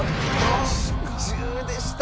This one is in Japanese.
１０でした。